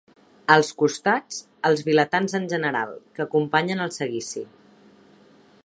Als costats, els vilatans en general, que acompanyen el seguici.